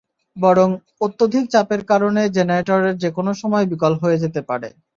বরং অত্যধিক চাপের কারণে জেনারেটর যেকোনো সময় বিকল হয়ে যেতে পারে।